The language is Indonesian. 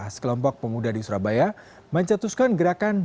sekelompok pemuda di surabaya mencetuskan gerakan